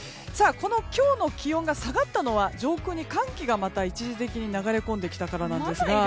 今日の気温が下がったのは上空に寒気が一時的に流れ込んできたからなんですが。